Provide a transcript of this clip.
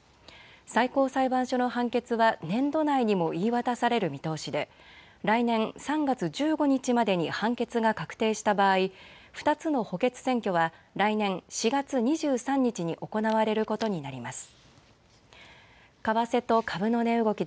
最高裁判所の判決は年度内にも言い渡される見通しで来年３月１５日までに判決が確定した場合、２つの補欠選挙は来年４月２３日に行われることになります。